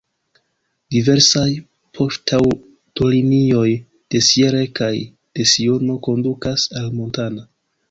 Diversaj poŝtaŭtolinioj de Sierre kaj de Siono kondukas al Montana.